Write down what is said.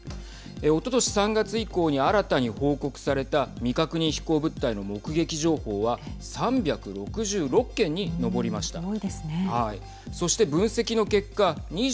おととし３月以降に新たに報告された未確認飛行物体の目撃情報は多いですね。